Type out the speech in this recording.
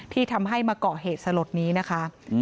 ที่ทำให้มาเกาะเหตุสลดนี้นะคะ